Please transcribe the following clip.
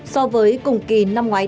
so với cùng kỳ năm ngoái